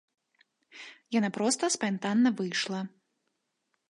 Яна проста спантанна выйшла.